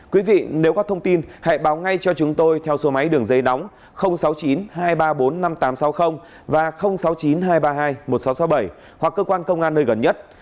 quý vị nếu có thông tin hãy báo ngay cho chúng tôi theo số máy đường dây nóng sáu mươi chín hai trăm ba mươi bốn năm nghìn tám trăm sáu mươi và sáu mươi chín hai trăm ba mươi hai một nghìn sáu trăm sáu mươi bảy hoặc cơ quan công an nơi gần nhất